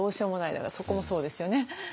だからそこもそうですよね。